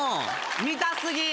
見た過ぎ。